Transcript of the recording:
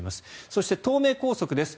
そして、東名高速です。